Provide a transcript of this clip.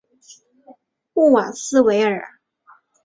穆瓦斯维尔。